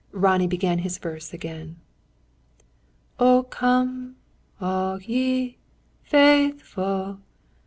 Ronnie began his verse again. "O come ... all ye ... faithful ...